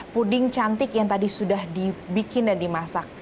puding cantik yang tadi sudah dibikin dan dimasak